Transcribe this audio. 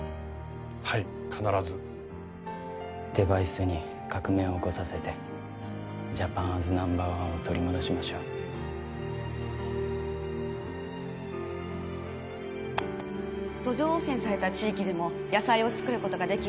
はい必ずデバイスに革命を起こさせてジャパンアズナンバーワンを取り戻しましょう土壌汚染された地域でも野菜を作ることができ